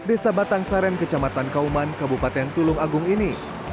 desa batang saren kecamatan kauman kabupaten tulung agung ini